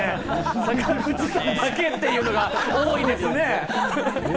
坂口さんだけというのが多いですね。